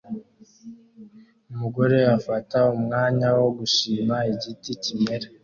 Umugore afata umwanya wo gushima igiti kimera